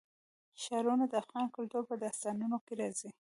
ښارونه د افغان کلتور په داستانونو کې راځي.